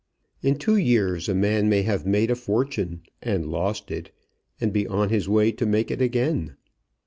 In two years a man may have made a fortune and lost it, and be on his way to make it again.